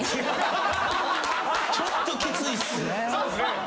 ちょっときついっすね。